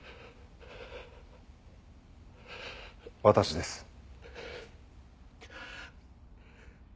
私です。